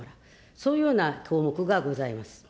そういうような項目がございます。